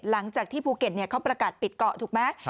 หลังจากที่ภูเก็ตเขาประกาศปิดเกาะถูกไหม